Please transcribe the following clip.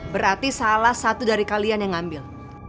berarti salah satu dari kalian yang ngambil